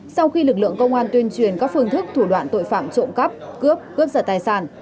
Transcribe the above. sau khi lực lượng công an tuyên truyền các phương thức thủ đoạn tội phạm trộm cắp cướp cướp giật tài sản